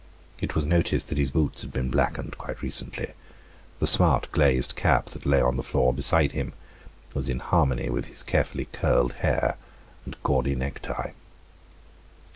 It was noticed that his boots had been blackened quite recently. The smart glazed cap that lay on the floor beside him was in harmony with his carefully curled hair and gaudy necktie.